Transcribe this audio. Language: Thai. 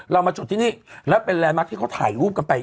เรามาจุดที่นี่แล้วเป็นระยะมักที่เขาถ่ายรูปกันไป